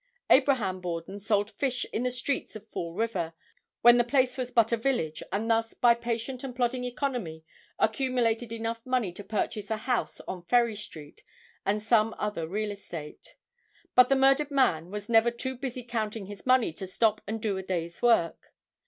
Abraham Borden sold fish in the streets of Fall River when the place was but a village and thus by patient and plodding economy accumulated enough money to purchase a house on Ferry street and some other real estate. But the murdered man was never too busy counting his money to stop and do a day's work.